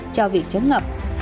cho việc chống ngập